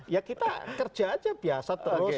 ya kita kerja aja biasa terus